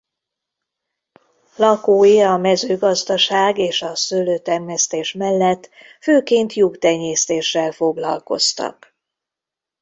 Lakói a mezőgazdaság és a szőlőtermesztés mellett főként juhtenyésztéssel foglalkoztak.